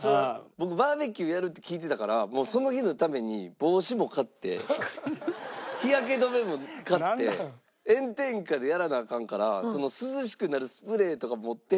僕バーベキューやるって聞いてたからその日のために帽子も買って日焼け止めも買って炎天下でやらなアカンから涼しくなるスプレーとか持って。